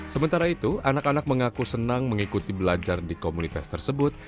sementara itu anak anak mengaku senang mengikuti belajar di komunitas tersebut